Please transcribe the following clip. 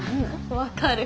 分かる。